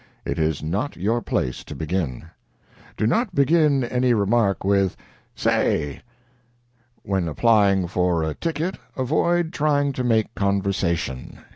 It is not your place to begin. "Do not begin any remark with 'Say.'" "When applying for a ticket avoid trying to make conversation.